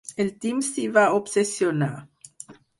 El Tim s'hi va obsessionar.